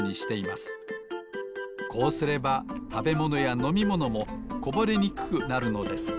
こうすればたべものやのみものもこぼれにくくなるのです。